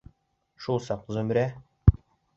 Шул саҡ Зөмрә: